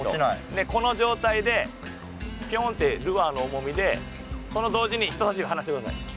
でこの状態でピョンってルアーの重みでその同時に人さし指離してください。